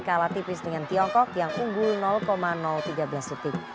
kalah tipis dengan tiongkok yang unggul tiga belas detik